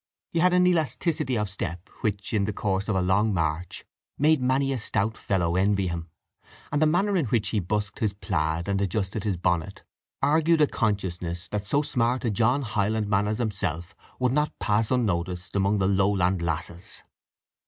He had an elasticity of step which, in the course of a long march, made many a stout fellow envy him; and the manner in which he busked his plaid and adjusted his bonnet argued a consciousness that so smart a John Highlandman as himself would not pass unnoticed among the Lowland lasses.